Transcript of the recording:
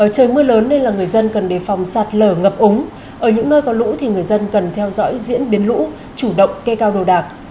trời mưa lớn nên là người dân cần đề phòng sạt lở ngập úng ở những nơi có lũ thì người dân cần theo dõi diễn biến lũ chủ động kê cao đồ đạc